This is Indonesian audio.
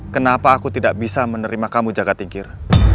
kenapa aku tidak bisa menerima kamu jaga tingkir